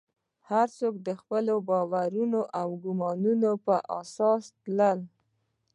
هر څوک د خپلو باورونو او ګومانونو پر اساس تلي.